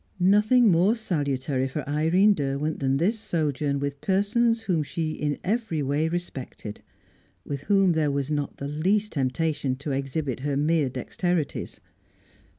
Nothing more salutary for Irene Derwent than this sojourn with persons whom she in every way respected with whom there was not the least temptation to exhibit her mere dexterities.